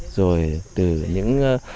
rồi từ những